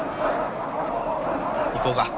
行こうか。